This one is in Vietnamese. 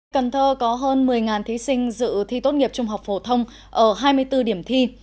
cần thơ có hơn một mươi thí sinh dự thi tốt nghiệp trung học phổ thông ở hai mươi bốn điểm thi